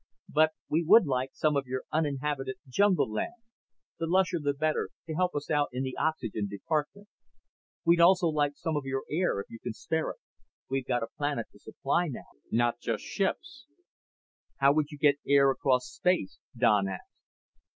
"But we would like some of your uninhabited jungle land the lusher the better, to help us out in the oxygen department. We'd also like some of your air, if you can spare it. We've got a planet to supply now, not just ships." "How would you get air across space?" Don asked.